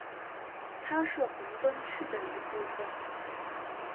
它是红灯区的一部分。